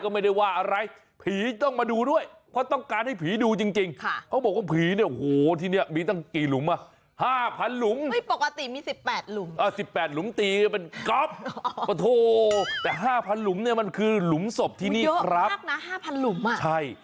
ไม่ได้อ่ะอะไรอ่ะคุณเบงไม่อ๋ออีกเหรอคุณต้องอ๋อแล้ว